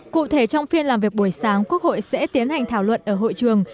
cụ thể trong phiên làm việc buổi sáng quốc hội sẽ tiến hành thảo luận ở hội trường